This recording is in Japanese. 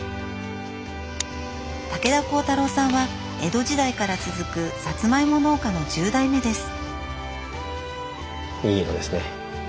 武田浩太郎さんは江戸時代から続くさつまいも農家の１０代目です。